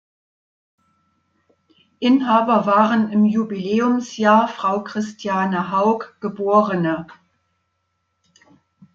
Inhaber waren im Jubiläumsjahr Frau Christiane Haug geb.